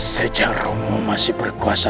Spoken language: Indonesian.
sejarahmu masih berkuasa